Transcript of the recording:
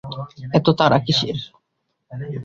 এত তাড়া কিসের।